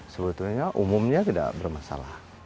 sebetulnya umumnya tidak bermasalah